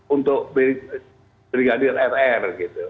untuk brigadir rr